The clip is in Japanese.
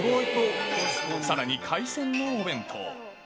さらに、海鮮のお弁当。